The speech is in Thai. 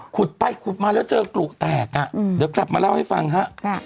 ขุดไปขุดมาแล้วเจอกรุแตกอ่ะเดี๋ยวกลับมาเล่าให้ฟังฮะ